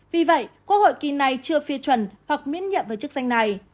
vì vậy quốc hội kỳ này chưa phê chuẩn hoặc miễn nhiệm với chức danh này